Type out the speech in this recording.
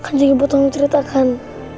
kanji ibu tolong ceritakan